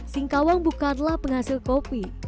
singkawang bukanlah penghasil kopi